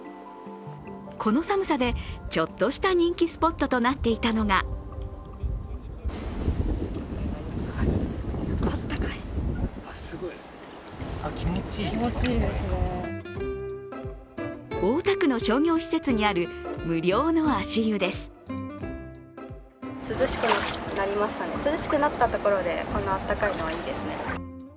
この寒さで、ちょっとした人気スポットとなっていたのが大田区の商業施設にある無料の足湯です。